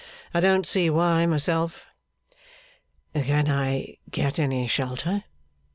I don't see why, myself.' 'Can I get any shelter?